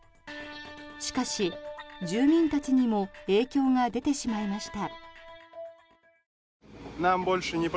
しかし、住民たちにも影響が出てしまいました。